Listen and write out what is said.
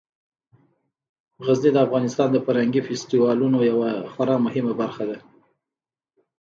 غزني د افغانستان د فرهنګي فستیوالونو یوه خورا مهمه برخه ده.